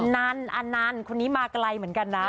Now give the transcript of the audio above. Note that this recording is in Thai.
นั่นอนันต์คนนี้มาไกลเหมือนกันนะ